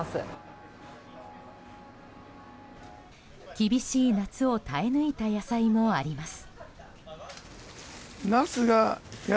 厳しい夏を耐え抜いた野菜もあります。